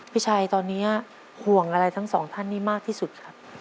พี่ชัยตอนนี้ห่วงอะไรทั้งสองท่านนี้มากที่สุดครับ